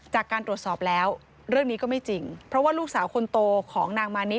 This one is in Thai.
จากการตรวจสอบแล้วเรื่องนี้ก็ไม่จริง